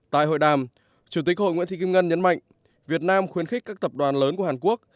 tại hội đàm chủ tịch hội nguyễn thị kim ngân nhấn mạnh việt nam khuyến khích các tập đoàn lớn của hàn quốc